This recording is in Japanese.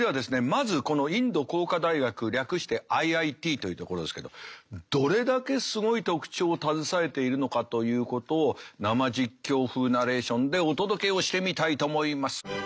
まずこのインド工科大学略してＩＩＴというところですけどどれだけすごい特徴を携えているのかということを生実況風ナレーションでお届けをしてみたいと思います。